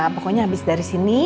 pokoknya habis dari sini